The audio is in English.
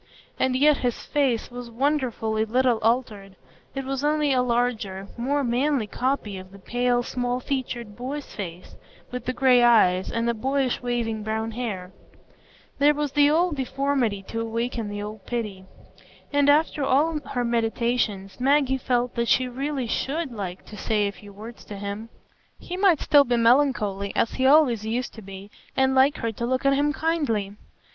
And yet his face was wonderfully little altered,—it was only a larger, more manly copy of the pale, small featured boy's face, with the gray eyes, and the boyish waving brown hair; there was the old deformity to awaken the old pity; and after all her meditations, Maggie felt that she really should like to say a few words to him. He might still be melancholy, as he always used to be, and like her to look at him kindly.